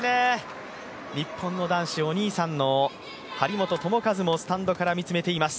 日本の男子お兄さんの張本智和もスタンドから見つめています